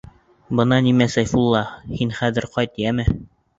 Бына нимә, Сәйфулла, һин хәҙер ҡайт, йәме.